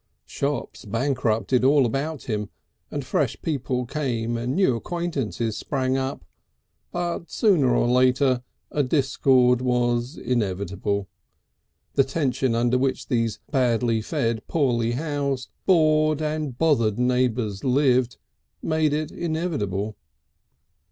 Shops bankrupted all about him and fresh people came and new acquaintances sprang up, but sooner or later a discord was inevitable, the tension under which these badly fed, poorly housed, bored and bothered neighbours lived, made it inevitable.